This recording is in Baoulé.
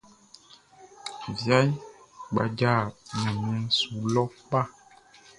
Viaʼn kpadja ɲanmiɛn su lɔ kpa.